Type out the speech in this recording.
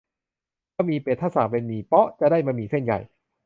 บะหมี่เป็ด ถ้าสั่งเป็นหมี่เป๊าะ จะได้บะหมี่เส้นใหญ่